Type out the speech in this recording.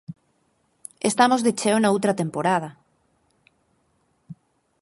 Estamos de cheo noutra temporada.